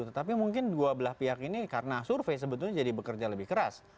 tetapi mungkin dua belah pihak ini karena survei sebetulnya jadi bekerja lebih keras